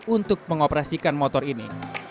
untuk mengoperasikan motor ini